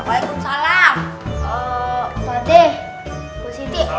eh pak deh